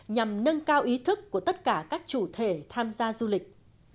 nhằm nâng cao ý thức của tất cả các chủ thể tham gia du lịch